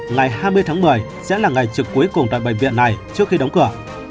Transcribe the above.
ngày hai mươi tháng một mươi sẽ là ngày trực cuối cùng tại bệnh viện này trước khi đóng cửa